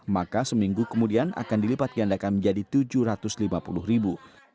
maka seminggu kemudian akan dilipat gandakan menjadi tujuh ratus lima puluh ribu